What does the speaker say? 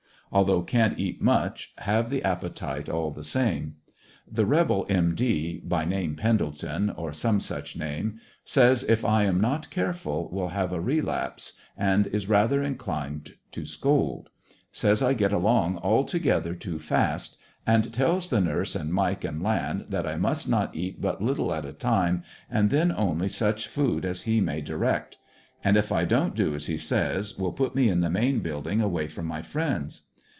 Although can't eat much have the appetite all the same. The rebel M. D., by name Pendleton, or some such name, says if 1 am not careful will have a relapse, and is rather in clined to scold; says I get along all together too fast, and tells the nurse and Mike and Land, that I must not eat but little at a time and then only such food as he may direct, and if I don't do as he says, will put me in the main building away from my friends.